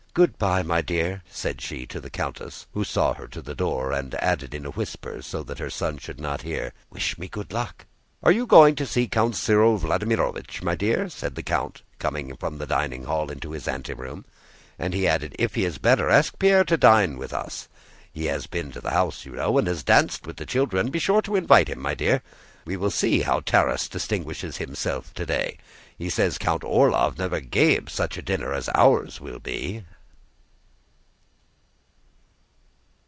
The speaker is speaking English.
"Good by, my dear," said she to the countess who saw her to the door, and added in a whisper so that her son should not hear, "Wish me good luck." "Are you going to Count Cyril Vladímirovich, my dear?" said the count coming out from the dining hall into the anteroom, and he added: "If he is better, ask Pierre to dine with us. He has been to the house, you know, and danced with the children. Be sure to invite him, my dear. We will see how Tarás distinguishes himself today. He says Count Orlóv never gave such a dinner as ours will be!"